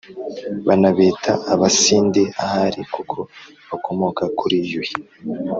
banabita abasindi ahari kuko bakomoka kuri yuhi